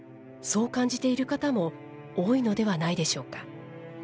そう感じている方も多いのではないでしょうか。